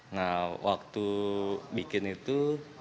nah waktu bikin itu